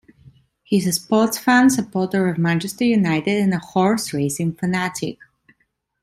He is a sports fan, supporter of Manchester United and a horse racing fanatic.